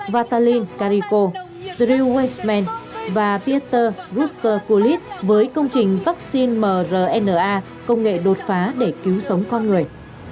vatalin kariko drew weissman và peter rutherkulis với công trình vaccine mrna công nghệ đột phá để cứu sống con người